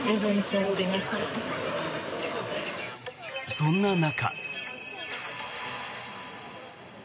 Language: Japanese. そんな中。